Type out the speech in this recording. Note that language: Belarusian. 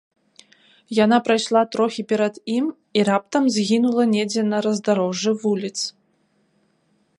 Яна прайшла трохі перад ім і раптам згінула недзе на раздарожжы вуліц.